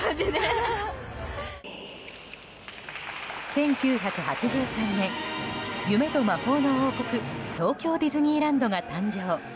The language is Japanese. １９８３年夢と魔法の王国東京ディズニーランドが誕生。